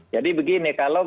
jadi begini kalau